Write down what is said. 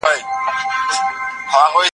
جزييه له هغو کسانو اخيستل کيږي چي بالغ وي.